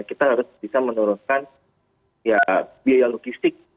kita harus bisa menurunkan biaya logistik